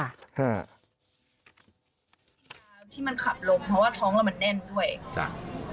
ที่มันขับลมเพราะว่าท้องเรามันแน่นด้วย